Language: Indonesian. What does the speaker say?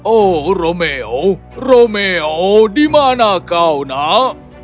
oh romeo romeo di mana kau nak